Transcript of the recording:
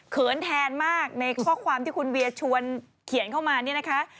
แทนมากในข้อความที่คุณเวียชวนเขียนเข้ามานี่นะคะ